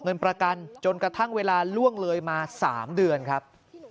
เงินประกันจนกระทั่งเวลาล่วงเลยมา๓เดือนครับ